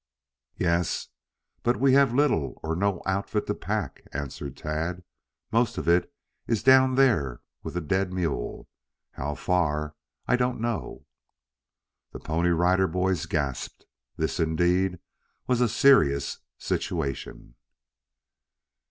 "Yes, but we have little or no outfit to pack," answered Tad. "Most of it is down there with the dead mule; how far I don't know." The Pony Rider Boys gasped. This, indeed, was a serious situation.